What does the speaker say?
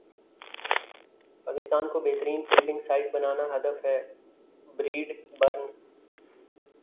پاکستان کو بہترین fielding side بنانا ہدف ہے بریڈ برن